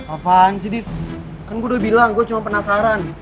apaan sih div kan gue udah bilang gue cuma penasaran